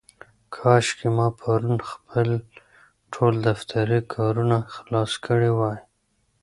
کاشکې ما پرون خپل ټول دفترې کارونه خلاص کړي وای.